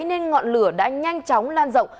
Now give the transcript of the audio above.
nên ngọn lửa đã nhanh chóng lan rộng